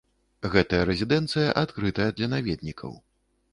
Гэтая рэзідэнцыя адкрытая для наведнікаў.